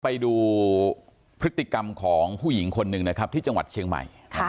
ไปดูพฤติกรรมของผู้หญิงคนหนึ่งนะครับที่จังหวัดเชียงใหม่